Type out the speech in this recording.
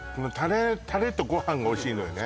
タレとご飯がおいしいのよね